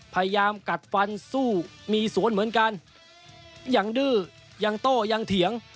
พยายามกัดฟันสู้มีสวนเหมือนกันยังดื้อยังโต้ยังเถียง